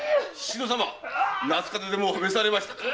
夏風邪でも召されましたか？